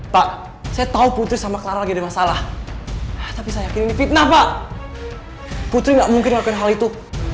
pak saya tahu putri sama clara lagi ada masalah tapi saya yakin ini fitnah pak putri nggak mungkin melakukan hal itu